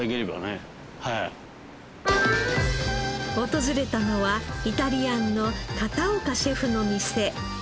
訪れたのはイタリアンの片岡シェフの店。